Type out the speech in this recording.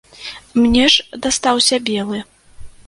Мне ж дастаўся белы.